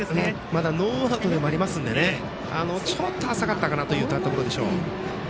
まだ、ノーアウトでもありますのでちょっと浅かったかなというところでしょう。